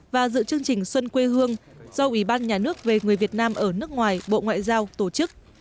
và dự chương trình xuân quê hương do ủy ban nhà nước về người việt nam ở nước ngoài bộ ngoại giao tổ chức